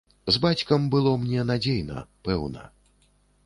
З бацькам было мне надзейна, пэўна.